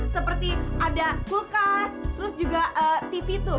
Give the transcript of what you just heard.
seperti ada kulkas terus juga tv dua